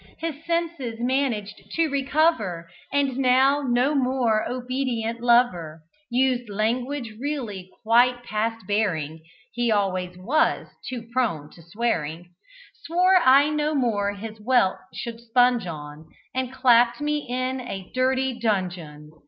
His senses managed to recover, And, now no more obedient lover, Used language really quite past bearing (He always was too prone to swearing), Swore I no more his wealth should sponge on, And clapt me in a dirty dungeon.